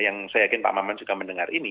yang saya yakin pak maman juga mendengar ini